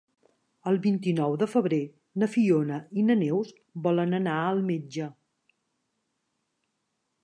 El vint-i-nou de febrer na Fiona i na Neus volen anar al metge.